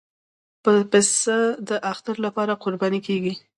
پسه د اختر لپاره قرباني کېږي.